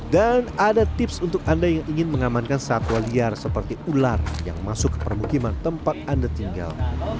ada tips untuk anda yang ingin mengamankan satwa liar seperti ular yang masuk ke permukiman tempat anda tinggal